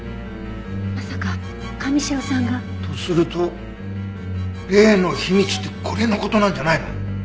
まさか神城さんが？とすると例の秘密ってこれの事なんじゃないの？